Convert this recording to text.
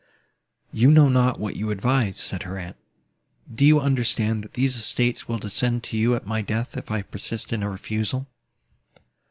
"You know not what you advise," said her aunt. "Do you understand, that these estates will descend to you at my death, if I persist in a refusal?"